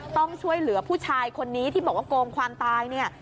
ต้องช่วยเหลือผู้ชายคนนี้ที่บอกว่าโกงความตายเนี่ย